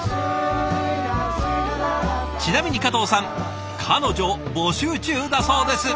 ちなみに加藤さん彼女募集中だそうです。